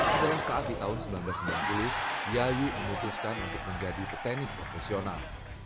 adalah saat di tahun seribu sembilan ratus sembilan puluh yayu memutuskan untuk menjadi petenis profesional